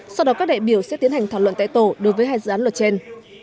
sau đó các đại biểu sẽ tiến hành thảo luận tại tổ đối với hai dự án luật trên